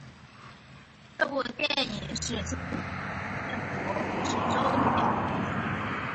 这部电影是新加坡建国五十周年电影。